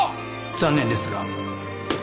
残念ですが。